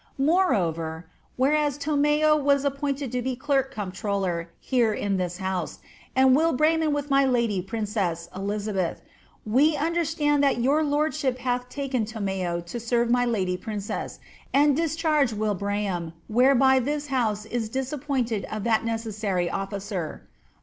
Moreover, whereas Tomeo' was appointed to be clerk comptroller here in ifais house, and Wilbrahim with my lady princess [Elizabeth] ; we understand Alt yoar lordship hath taken Tomeo to serve my lady princess, and discharged Vilbrahim, whereby this house is di8api>ointed of that necessary officer.